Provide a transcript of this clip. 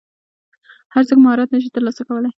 هر څوک مهارت نشي ترلاسه کولی.